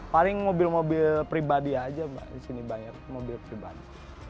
paling mobil mobil pribadi aja mbak di sini banyak mobil pribadi